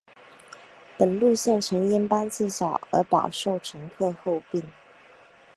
本路线曾因班次少而饱受乘客诟病。